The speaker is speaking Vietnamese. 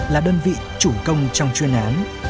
là đơn vị chủ công trong chuyên án